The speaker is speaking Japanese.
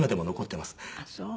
あっそう。